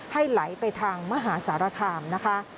ให้ไหลไปทางมหาสารคามนะคะ